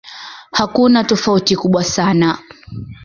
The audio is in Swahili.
Hakuna tofauti kubwa sana.